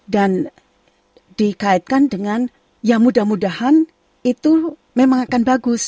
dan dikaitkan dengan ya mudah mudahan itu memang akan bagus